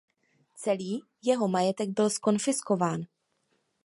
Celý jeho majetek byl zkonfiskován.